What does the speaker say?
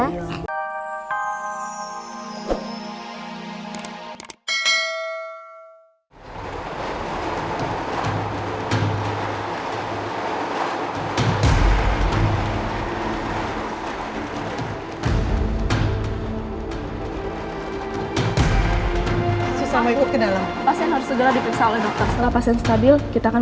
susah ikut ke dalam pasien harus sudah dipiksa oleh dokter setelah pasien stabil kita akan